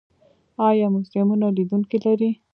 آیا موزیمونه لیدونکي لري؟